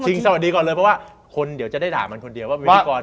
สวัสดีก่อนเลยเพราะว่าคนเดี๋ยวจะได้ด่ามันคนเดียวว่าพิธีกร